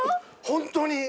ホントに。